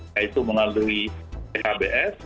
yaitu melalui phbs